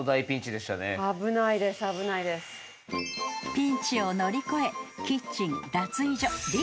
［ピンチを乗り越えキッチン脱衣所リビング］